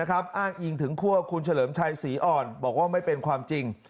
อ้างอิงถึงคั่วคุณเฉลิมชัยศรีอ่อนบอกว่าไม่เป็นความจริง